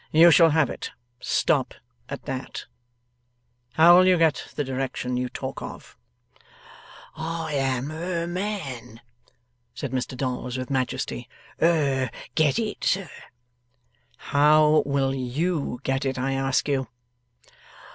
'You shall have it. Stop at that. How will you get the direction you talk of?' 'I am er man,' said Mr Dolls, with majesty, 'er get it, sir.' 'How will you get it, I ask you?